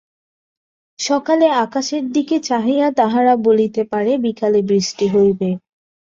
সকালে আকাশের দিকে চাহিয়া তাহারা বলিতে পারে বিকালে বৃষ্টি হইবে।